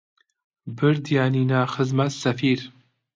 بردیانینە خزمەت سەفیر